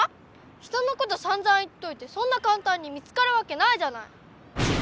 人のことさんざん言っといてそんなかんたんに見つかるわけないじゃない！